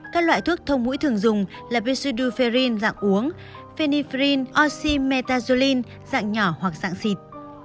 các loại thuốc thông mũi thường dùng là bisuduferin dạng uống phenylephrine oxymetazoline dạng nhỏ hoặc dạng xịt